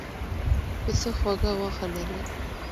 پسه خوږه غوښه لري.